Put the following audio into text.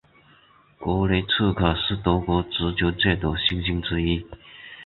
格雷茨卡是德国足球界的新星之一。